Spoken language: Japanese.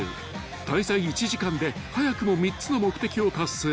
［滞在１時間で早くも３つの目的を達成］